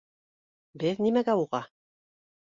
Беҙ нимәгә уға?